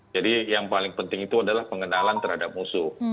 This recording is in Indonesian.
yang paling penting itu adalah pengenalan terhadap musuh